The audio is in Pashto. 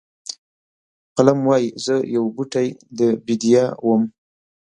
قلم وایي زه یو بوټی د بیدیا وم.